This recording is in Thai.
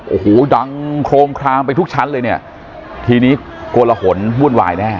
โอ้โหดังโครมคลามไปทุกชั้นเลยเนี่ยทีนี้โกลหนวุ่นวายแน่